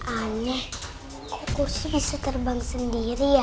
aneh kursi bisa terbang sendiri ya